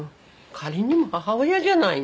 仮にも母親じゃないの。